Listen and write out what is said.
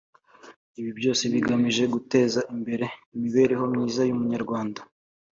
Ibi byose bigamije guteza imbere imibereho myiza y’Umunyarwanda